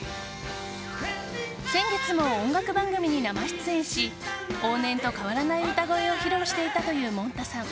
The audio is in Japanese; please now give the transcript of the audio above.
先月も音楽番組に生出演し往年と変わらない歌声を披露していたというもんたさん。